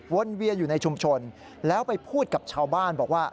เวียนอยู่ในชุมชนแล้วไปพูดกับชาวบ้านบอกว่า